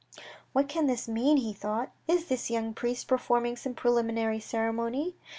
"What can this mean," he thought. "Is this young priest performing some preliminary ceremony?